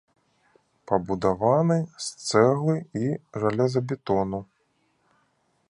Пабудаваны з цэглы і жалезабетону.